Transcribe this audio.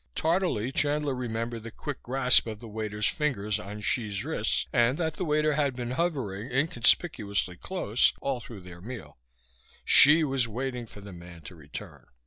Tardily Chandler remembered the quick grasp of the waiter's fingers on Hsi's wrist, and that the waiter had been hovering, inconspicuously close, all through their meal. Hsi was waiting for the man to return.